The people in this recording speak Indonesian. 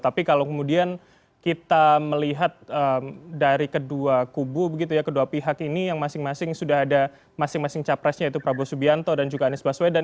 tapi kalau kemudian kita melihat dari kedua kubu begitu ya kedua pihak ini yang masing masing sudah ada masing masing capresnya yaitu prabowo subianto dan juga anies baswedan